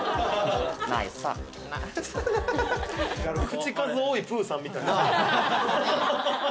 口数多いプーさんみたい。